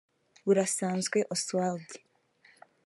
Burasanzwe Osuald